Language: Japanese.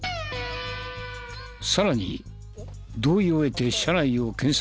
さらに同意を得て車内を検索すると。